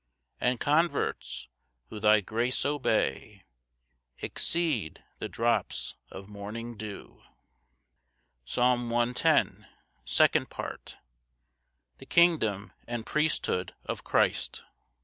And converts, who thy grace obey, Exceed the drops of morning dew. Psalm 110:2. Second Part. The kingdom and priesthood of Christ.